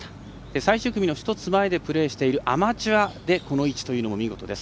最終組の１つ前でプレーしているアマチュアでこの位置というのも見事です。